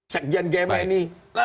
sekjian gma ini